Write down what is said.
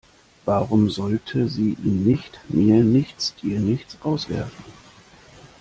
Warum sollte sie ihn nicht mir nichts, dir nichts rauswerfen?